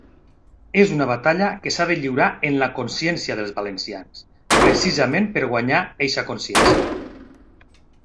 És una batalla que s'ha de lliurar en la consciència dels valencians, precisament per guanyar eixa consciència.